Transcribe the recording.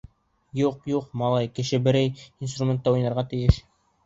Юҡ, юҡ, малай кеше берәй инструментта уйнарға тейеш.